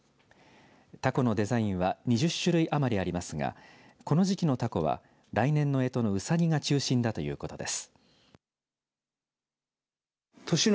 たこのデザインは２０種類余りありますがこの時期のたこは来年のえとのうさぎが中心だということです。